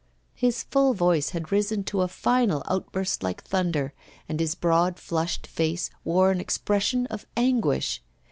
His full voice had risen to a final outburst like thunder, and his broad flushed face wore an expression of anguish.